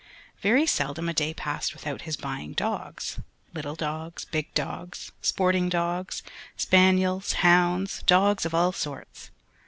Very seldom a day passed without his buying dogs, little dogs, big dogs, sporting dogs, spaniels, hounds, dogs of all sorts.